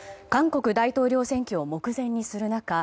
韓国大統領選挙を目前にする中